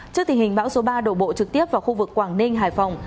trước tình hình bão số ba đổ bộ trực tiếp vào khu vực quảng ninh hải phòng